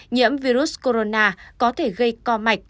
nhiễm virus corona có thể gây co mạch